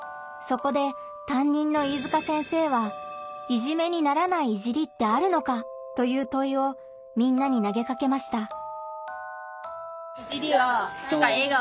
そこでたんにんの飯塚先生は「“いじめ”にならない“いじり”ってあるのか？」というといをみんなに投げかけました。